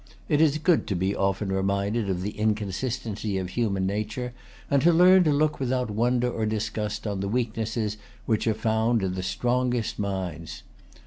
It is good to be often reminded of the inconsistency of human nature, and to learn to look without wonder or disgust on the weaknesses which are found in the strongest minds.